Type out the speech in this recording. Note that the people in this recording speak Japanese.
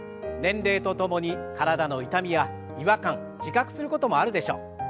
年齢とともに体の痛みや違和感自覚することもあるでしょう。